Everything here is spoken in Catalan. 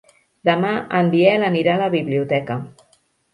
Demà en Biel anirà a la biblioteca.